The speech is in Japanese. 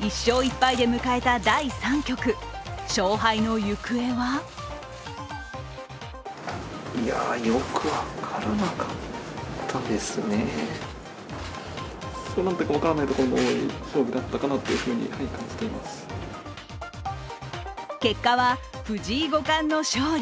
１勝１敗を迎えた第３局、勝敗の行方は結果は藤井五冠の勝利。